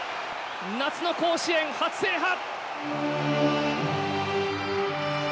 夏の甲子園初制覇！